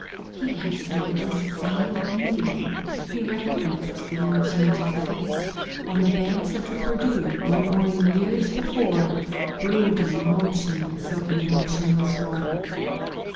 He had seen this same Indian he recognized the unchanging face on the banks of the Perdu one morning years before, brooding motionless over the motionless water.